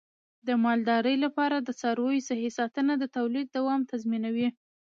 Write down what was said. د مالدارۍ لپاره د څارویو صحي ساتنه د تولید دوام تضمینوي.